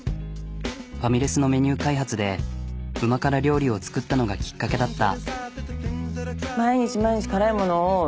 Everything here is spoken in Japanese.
ファミレスのメニュー開発でうま辛料理を作ったのがきっかけだった。